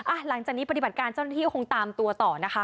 หลังจากนี้ปฏิบัติการเจ้าหน้าที่ก็คงตามตัวต่อนะคะ